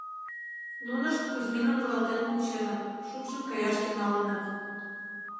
Нунышт Кузьминым руалтен кученыт, шупшын каяш тӱҥалыныт.